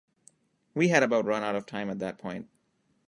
We had about run out of time at that point.